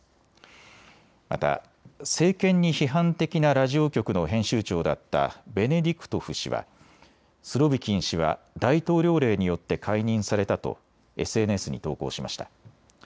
また政権に批判的なラジオ局の編集長だったベネディクトフ氏はスロビキン氏は大統領令によって解任されたとＳＮＳに投稿しました。